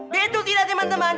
betul tidak teman teman